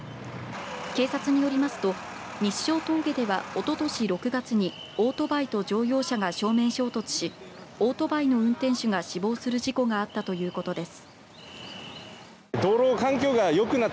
警察によりますと日勝峠では、おととし６月にオートバイと乗用車が正面衝突しオートバイの運転手が死亡する事故があったということです。